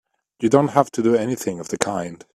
You don't have to do anything of the kind!